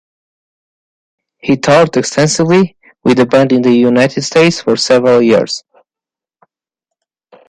He toured extensively with the band in the United States for several years.